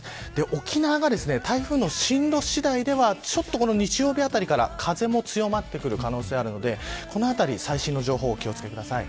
沖縄が、台風の進路次第では日曜日あたりから風も強まってくる可能性がありますのでこのあたりは最新の情報にお気を付けください。